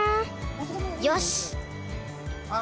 よし。